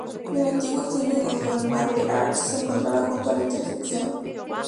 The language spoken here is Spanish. El antiguo cine Odeon Marble Arch se encontraba junto a la intersección.